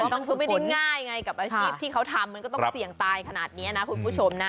ต้องสู้ไม่ได้ง่ายไงกับอาชีพที่เขาทำมันก็ต้องเสี่ยงตายขนาดนี้นะคุณผู้ชมนะ